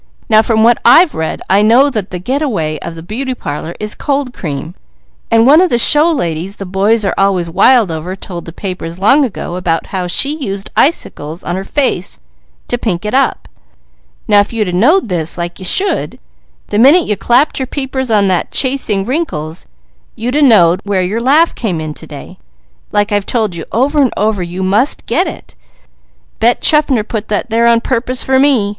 Now from what I've read, I know that the get a way of the beauty parlours is cold cream. And one of the show ladies the boys are always wild over told the papers long ago 'bout how she used icicles on her face to pink it up. Now if you'd a knowed this like you should, the minute you clapped your peepers on that, 'Chasing Wrinkles,' you'd a knowed where your laugh came in today, like I've told you over and over you must get it. Bet Chaffner put that there on purpose for me.